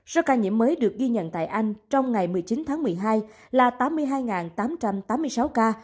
số ca nhiễm mới được ghi nhận tại anh trong ngày một mươi chín tháng một mươi hai là tám mươi hai tám trăm tám mươi sáu ca